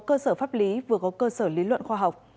cơ sở pháp lý vừa có cơ sở lý luận khoa học